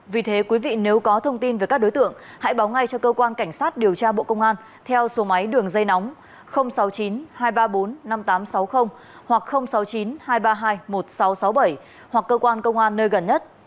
vì thế quý vị nếu có thông tin về các đối tượng hãy báo ngay cho cơ quan cảnh sát điều tra bộ công an theo số máy đường dây nóng sáu mươi chín hai trăm ba mươi bốn năm nghìn tám trăm sáu mươi hoặc sáu mươi chín hai trăm ba mươi hai một nghìn sáu trăm sáu mươi bảy hoặc cơ quan công an nơi gần nhất